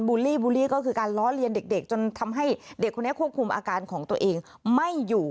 ูลลี่บูลลี่ก็คือการล้อเลียนเด็กจนทำให้เด็กคนนี้ควบคุมอาการของตัวเองไม่อยู่